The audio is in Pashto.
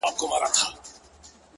يه پر ما گرانه ته مي مه هېروه؛